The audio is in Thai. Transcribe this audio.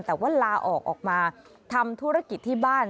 แต่ว่าลาออกออกมาทำธุรกิจที่บ้าน